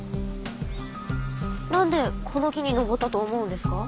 なんでこの木に登ったと思うんですか？